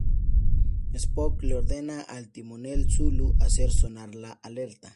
Spock le ordena al timonel Sulu hacer sonar la alerta.